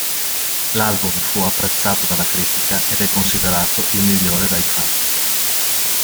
L'album fu apprezzato dalla critica ed è considerato il migliore dai fan.